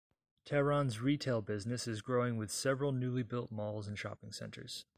Tehran's retail business is growing with several newly-built malls and shopping centers.